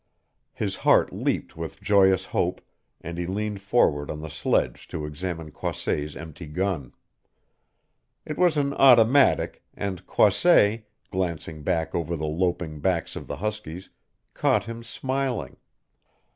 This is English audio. His heart leaped with joyous hope, and he leaned forward on the sledge to examine Croisset's empty gun. It was an automatic, and Croisset, glancing back over the loping backs of the huskies, caught him smiling.